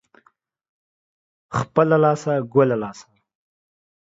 خپله لاسه ، گله لاسه.